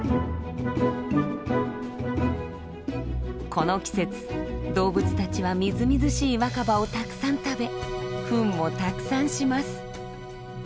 この季節動物たちはみずみずしい若葉をたくさん食べフンもたくさんします。